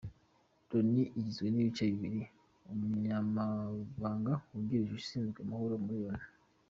Loni igizwe n’ibice bibiri Umunyamabanga wungirije ushinzwe amahoro muri Loni